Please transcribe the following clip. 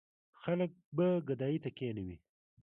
خلک به ګدايۍ ته کېنوي.